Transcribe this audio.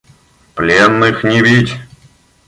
– Пленных не бить!